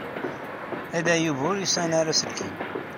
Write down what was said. Ala Yuba ur yesɛin ara aselkim.